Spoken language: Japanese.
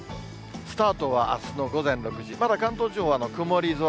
スタートはあすの午前６時、まだ関東地方は曇り空。